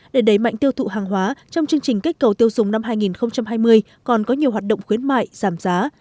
để đẩy mạnh tiêu thụ hàng hóa trong chương trình kích cầu tiêu dùng năm hai nghìn hai mươi còn có nhiều hoạt động khuyến mại giảm giá